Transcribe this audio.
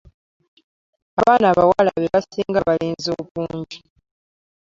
Abaana abawala bebasinga abalenzi obungi.